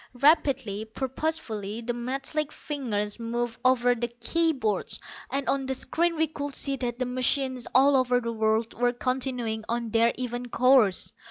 Rapidly, purposefully, the metallic fingers moved over the key boards, and on the screens we could see that the machines all over the world were continuing on their even course.